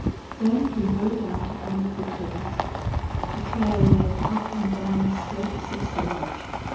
Then he rode out upon the foothills. The trail led up and down slopes of sage.